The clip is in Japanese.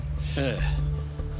ええ。